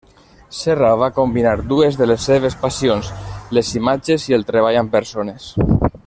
Serra va combinar dues de les seves passions: les imatges i el treball amb persones.